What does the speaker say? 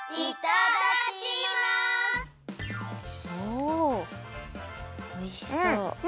おおいしそう。